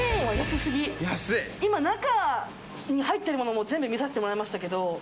今、中に入っているもの全部見させてもらいましたけど。